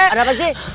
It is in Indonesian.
ada apa sih